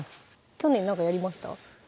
去年何かやりました？